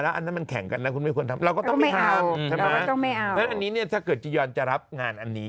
แล้วอันนี้เนี่ยถ้าเกิดจียอนจะรับงานอันนี้